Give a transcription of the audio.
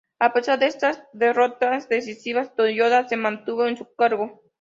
A pesar de estas derrotas decisivas, Toyoda se mantuvo en su cargo.